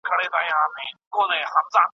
کوهیار